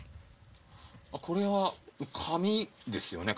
これは紙ですよね？